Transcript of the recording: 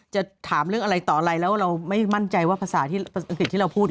จะถามเรื่องอะไรต่ออะไรแล้วเราไม่มั่นใจว่าภาษาที่เราพูด